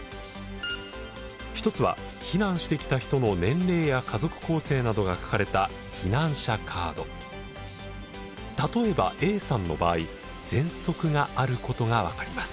一つは避難してきた人の年齢や家族構成などが書かれた例えばＡさんの場合ぜんそくがあることが分かります。